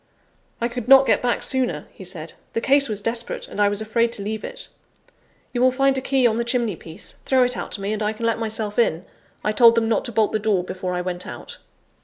"I could not get back sooner," he said; "the case was desperate, and I was afraid to leave it. You will find a key on the chimney piece throw it out to me, and I can let myself in; I told them not to bolt the door before I went out."